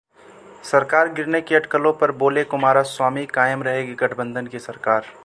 सरकार गिरने की अटकलों पर बोले कुमारस्वामी- कायम रहेगी गठबंधन की सरकार